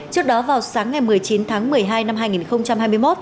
trước đó vào sáng ngày một mươi chín tháng một mươi hai năm hai nghìn hai mươi một